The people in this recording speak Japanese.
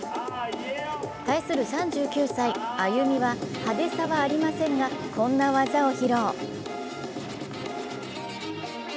対する３９歳、ＡＹＵＭＩは派手さはありませんが、こんな技を披露。